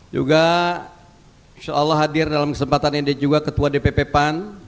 juga insya allah hadir dalam kesempatan ini juga ketua dpp pan